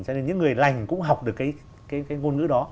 cho nên những người lành cũng học được cái ngôn ngữ đó